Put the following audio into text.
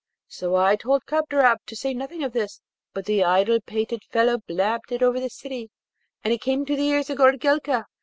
So I told Kadrab to say nothing of this, but the idle pated fellow blabbed it over the city, and it came to the ears of Goorelka.